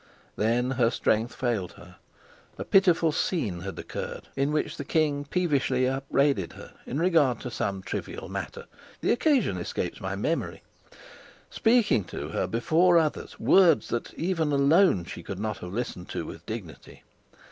Then her strength failed her. A pitiful scene had occurred in which the king peevishly upbraided her in regard to some trivial matter the occasion escapes my memory speaking to her before others words that even alone she could not have listened to with dignity.